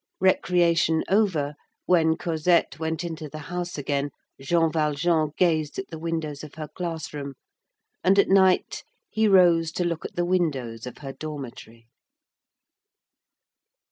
Recreation over, when Cosette went into the house again, Jean Valjean gazed at the windows of her class room, and at night he rose to look at the windows of her dormitory.